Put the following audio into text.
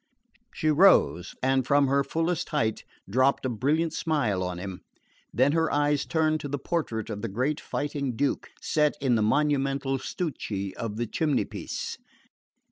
She rose, and from her fullest height dropped a brilliant smile on him; then her eyes turned to the portrait of the great fighting Duke set in the monumental stucchi of the chimney piece.